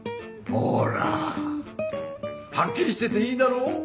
ほらはっきりしてていいだろ。